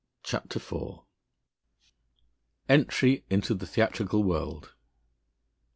CHAPTER IV ENTRY INTO THE THEATRICAL WORLD I.